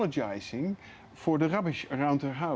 atas keguguran di sekitar rumahnya